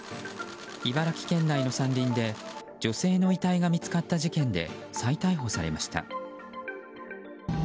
茨城県内の山林で女性の遺体見つかった事件で再逮捕されました。